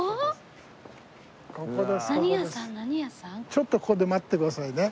ちょっとここで待ってくださいね。